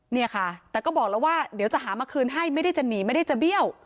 เนี่ยค่ะแต่ก็บอกแล้วว่าเดี๋ยวจะหามาคืนให้ไม่ได้จะหนีไม่ได้จะเบี้ยว